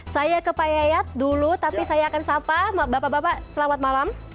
saya ke pak yayat dulu tapi saya akan sapa bapak bapak selamat malam